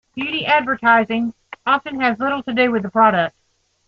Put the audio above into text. Beauty advertising often has little to do with the product.